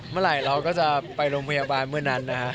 เมื่อไหร่เราก็จะไปโรงพยาบาลเมื่อนั้นนะฮะ